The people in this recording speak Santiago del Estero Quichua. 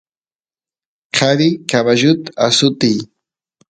qari caballut asutiy